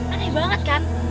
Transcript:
aneh banget kan